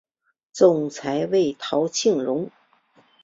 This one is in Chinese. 总裁为陶庆荣。